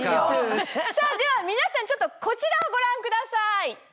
さぁでは皆さんちょっとこちらをご覧ください。